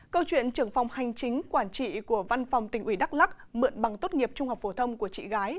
câu chuyện trưởng phòng hành chính quản trị của văn phòng tỉnh ủy đắk lắc mượn bằng tốt nghiệp trung học phổ thông của chị gái